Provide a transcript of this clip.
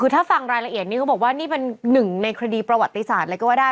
คือถ้าฟังรายละเอียดนี้เขาบอกว่านี่เป็นหนึ่งในคดีประวัติศาสตร์เลยก็ว่าได้